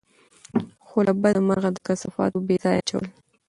خو له بده مرغه، د کثافاتو بېځايه اچول